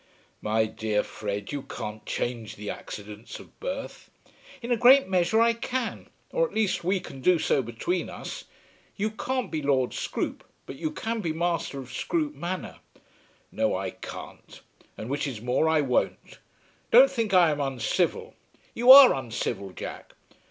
"My dear Fred, you can't change the accidents of birth." "In a great measure I can; or at least we can do so between us. You can't be Lord Scroope, but you can be master of Scroope Manor." "No I can't; and, which is more, I won't. Don't think I am uncivil." "You are uncivil, Jack."